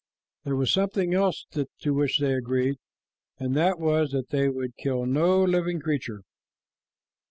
There was something else to which they agreed, and that was that they would kill no living creature.